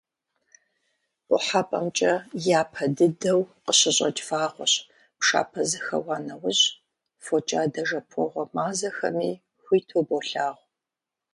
КъухьэпӀэмкӀэ япэ дыдэу къыщыщӀэкӀ вагъуэщ, пшапэ зэхэуа нэужь, фокӀадэ-жэпуэгъуэ мазэхэми хуиту болъагъу.